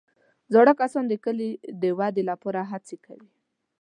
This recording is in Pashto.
زاړه کسان د کلي د ودې لپاره هڅې کوي